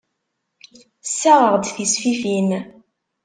Ssaɣeɣ-d tisfifin.